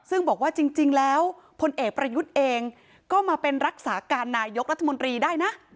ซึ่งบอกว่าจริงแล้วพลเอกประยุทธ์เองก็มาเป็นรักษาการนายกรัฐมนตรีได้นะ